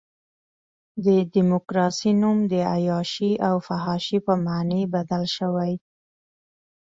د ډیموکراسۍ نوم د عیاشۍ او فحاشۍ په معنی بدل شوی.